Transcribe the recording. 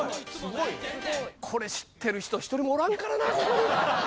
これ知ってる人１人もおらんからなここに。